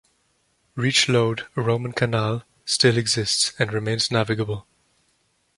Reach Lode, a Roman canal, still exists, and remains navigable.